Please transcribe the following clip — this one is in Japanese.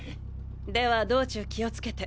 では道中気をつけて。